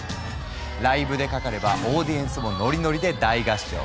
ライブでかかればオーディエンスもノリノリで大合唱！